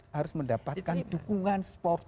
harus mendapatkan dukungan sport